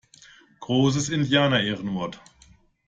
Großes Indianerehrenwort!